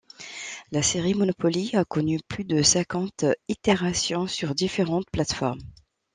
La série Monopoly a connu plus de cinquante itérations sur différentes plates-formes.